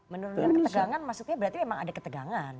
menurunkan ketegangan maksudnya berarti memang ada ketegangan